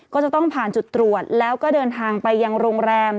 ก็จะต้องผ่านจุดตรวจแล้วก็เดินทางไปยังโรงแรม